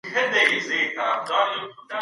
په اسلام کي ښکلی ږغ اذان دی.